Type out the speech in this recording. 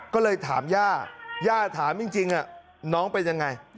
ก็เลยถามย่าย่าถามจริงน้องเป็นยังไง